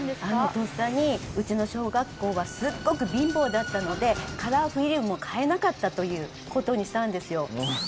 とっさにうちの小学校はすっごく貧乏だったのでカラーフィルムを買えなかったという事にしたんですよ。